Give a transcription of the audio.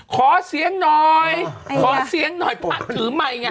ขอเสียงหน่อยขอเสียงหน่อยพระถือไมค์ไง